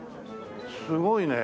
すごいねえ。